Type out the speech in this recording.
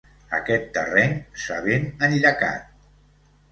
Aquest terreny s'ha ben enllacat.